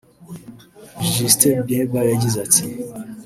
Justin Bieber yagize ati